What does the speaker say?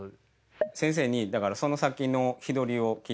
先生にだからその先の日取りを聞いたんです。